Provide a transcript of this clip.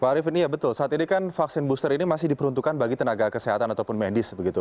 pak arief ini ya betul saat ini kan vaksin booster ini masih diperuntukkan bagi tenaga kesehatan ataupun medis begitu